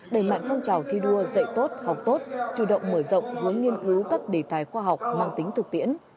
đẩy mạnh phong trào thi đua dạy tốt học tốt chủ động mở rộng hướng nghiên cứu các đề tài khoa học mang tính thực tiễn